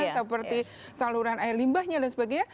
seperti saluran air limbahnya dan sebagainya